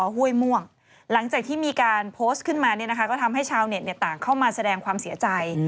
ห้วยม่วงหลังจากที่มีการโพสต์ขึ้นมาเนี่ยนะคะก็ทำให้ชาวเน็ตต่างเข้ามาแสดงความเสียใจ